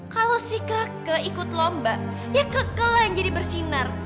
kalau si kakek ikut lomba ya kekela yang jadi bersinar